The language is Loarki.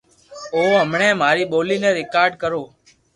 ھو ھمڙي ماري ڀولي ني ريڪارڌ ڪرو